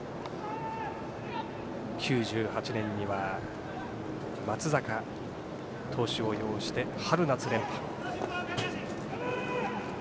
９８年には松坂投手を擁して春夏連覇。